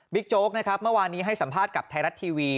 โจ๊กนะครับเมื่อวานนี้ให้สัมภาษณ์กับไทยรัฐทีวี